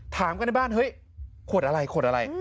ถามกันในบ้านเฮ้ยขวดอะไรขวดอะไร